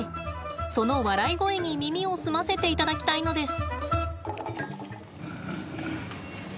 その笑い声に耳を澄ませていただきたいのです。